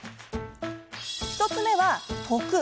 １つ目は「徳」。